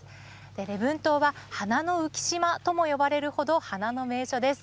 礼文島は花の浮島とも呼ばれるほど花の名所です。